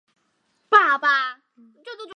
族群认同的转变可以从民调中得到反映。